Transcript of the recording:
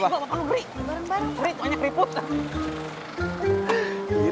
beri bapak lu beri